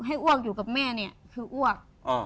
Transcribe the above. อ้วกอยู่กับแม่เนี่ยคืออ้วก